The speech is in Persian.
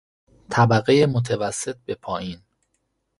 طبقهٔ متوسط به پایین